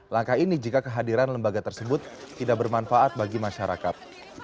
langkah ini jika kehadiran lembaga tersebut tidak bermanfaat bagi masyarakat